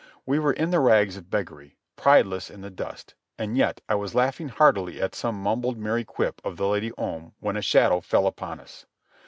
We were in the rags of beggary, prideless in the dust, and yet I was laughing heartily at some mumbled merry quip of the Lady Om when a shadow fell upon us.